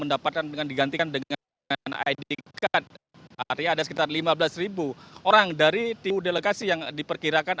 mendapatkan dengan digantikan dengan id card artinya ada sekitar lima belas orang dari tim delegasi yang diperkirakan